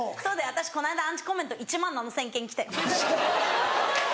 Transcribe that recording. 私この間アンチコメント１万７０００件来たよ。